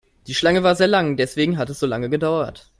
Die Schlange war sehr lang, deswegen hat es so lange gedauert.